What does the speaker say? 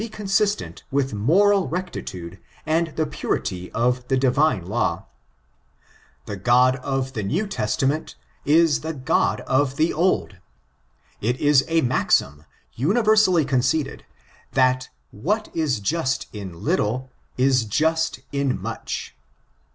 5S1 j i consistent with moral rectitude and the purity of the divine law. The God of the New Testament is the God of the Old. It is a maxim, universally conceded, that, *'what is just in little, id just in much."